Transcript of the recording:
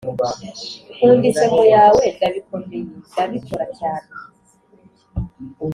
nkunda inseko yawe ndabikomeye, ndabikora cyane.